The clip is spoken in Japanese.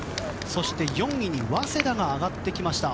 そして、４位に早稲田が上がってきました。